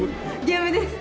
ゲームです。